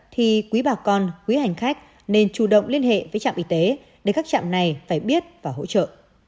thì quý bà con quý hành khách nên chủ động liên hệ với trạm y tế để các trạm này phải biết và hỗ trợ